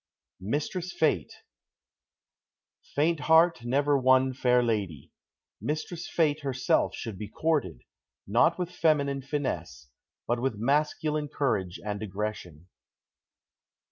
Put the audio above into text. MISTRESS FATE "Faint heart never won fair lady," Mistress Fate herself should be courted, not with feminine finesse, but with masculine courage and aggression.